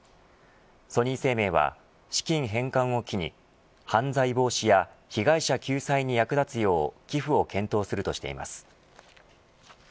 ソニー生命は資金返還を機に犯罪防止や被害者救済に役立つよう寄付を検討するとしています。